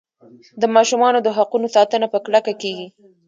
د ماشومانو د حقونو ساتنه په کلکه کیږي.